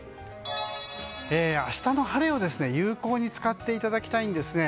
明日の晴れを有効に使っていただきたいんですね。